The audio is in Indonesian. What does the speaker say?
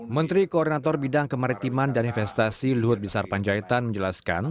menteri koordinator bidang kemaritiman dan investasi luhut binsar panjaitan menjelaskan